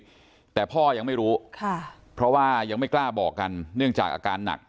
แต่พ่อยังไม่รู้ค่ะเพราะว่ายังไม่กล้าบอกกันเนื่องจากอาการหนัก